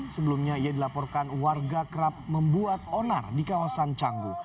sebelumnya ia dilaporkan warga kerap membuat onar di kawasan canggu